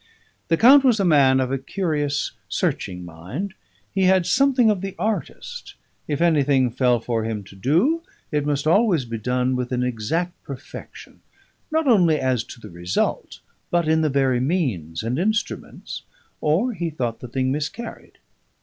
The count was a man of a curious, searching mind; he had something of the artist; if anything fell for him to do, it must always be done with an exact perfection, not only as to the result, but in the very means and instruments, or he thought the thing miscarried.